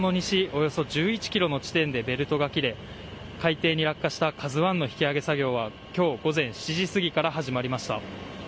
およそ１１ｋｍの地点でベルトが切れ海底に落下した「ＫＡＺＵ１」の引き揚げ作業は今日午前７時すぎから始まりました。